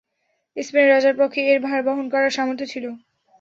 স্পেনের রাজার পক্ষে এর ভার বহন করার সামর্থ্য ছিল।